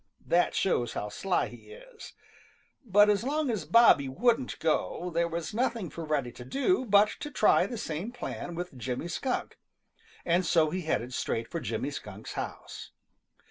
That shows how sly he is. But as long as Bobby wouldn't go, there was nothing for Reddy to do but to try the same plan with Jimmy Skunk, and so he headed straight for Jimmy Skunk's house.